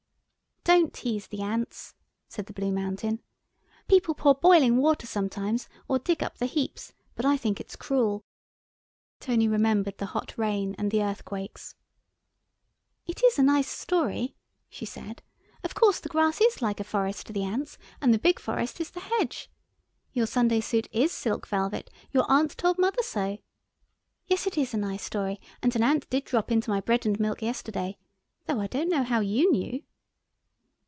"Don't tease the ants," said the Blue Mountain. "People pour boiling water sometimes, or dig up the heaps, but I think it's cruel." [Illustration: HE WAS GROWING, GROWING, GROWING.] Tony remembered the hot rain and the earthquakes. "It is a nice story," she said, "of course the grass is like a forest to the ants, and the big forest is the hedge. Your Sunday suit is silk velvet, your aunt told mother so. Yes, it is a nice story, and an ant did drop into my bread and milk yesterday, though I don't know how you knew."